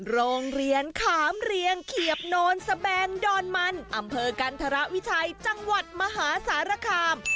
อ๋อโรงเรียนขามเรียงเขียบน้องเซอร์เบนโดนมันอำเภอกันธรวิชัยจังหวัดมหาสารคาม